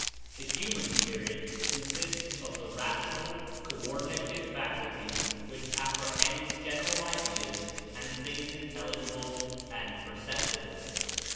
The human spirit consists of the rational (co ordinative) faculty, which apprehends general ideas and things intelligible and perceptible.